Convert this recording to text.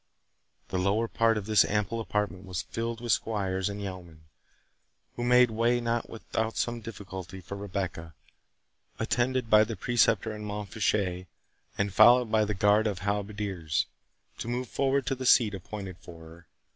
The lower part of this ample apartment was filled with squires and yeomen, who made way not without some difficulty for Rebecca, attended by the Preceptor and Mont Fitchet, and followed by the guard of halberdiers, to move forward to the seat appointed for her.